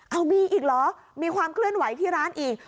เอามีอีกเหรอมีความเคลื่อนไหวที่ร้านอีก